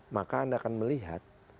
maka anda akan melihat